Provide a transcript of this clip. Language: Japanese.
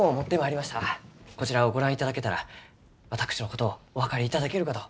こちらをご覧いただけたら私のことをお分かりいただけるかと。